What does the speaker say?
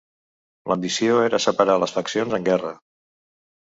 La missió era separar les faccions en guerra.